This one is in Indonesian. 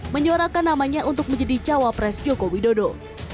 menyuarakan namanya untuk menjadi cawa pres joko widodo